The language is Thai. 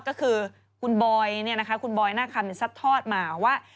ก็คือคุณบอยนี่นะคะคุณบอยน่าคำซัดทอดมาว่า